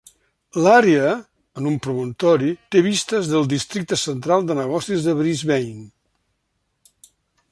L'àrea, en un promontori, té vistes del Districte Central de Negocis de Brisbane.